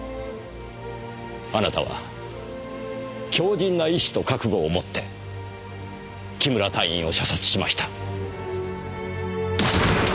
あなたは強靭な意志と覚悟を持って木村隊員を射殺しました。